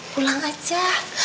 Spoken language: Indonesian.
pulang aja ya